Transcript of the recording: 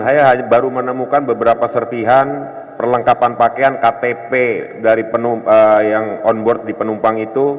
saya baru menemukan beberapa serpihan perlengkapan pakaian ktp yang on board di penumpang itu